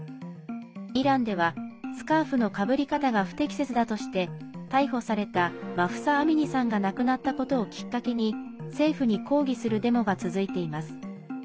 イランではスカーフのかぶり方が不適切だとして逮捕されたマフサ・アミニさんが亡くなったことをきっかけに政府に抗議するデモが続いています。